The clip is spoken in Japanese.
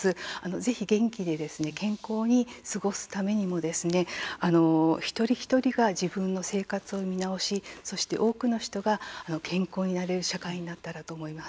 ぜひ元気で健康に過ごすためにも一人一人が自分の生活を見直し多くの人が健康になれる社会になったらと思います。